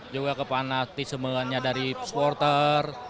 juga kepanatismenya dari supporter